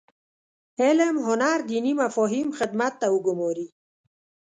علم هنر دیني مفاهیم خدمت ته وګوماري.